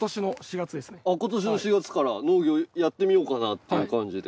今年の４月から農業やってみようかなっていう感じで。